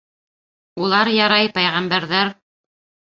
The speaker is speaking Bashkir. Улар, ярай, пәйғәмбәрҙәр.